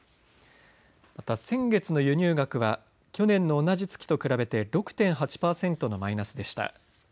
また先月の輸入額は去年の同じ月と比べて６．８％のマイナスでした。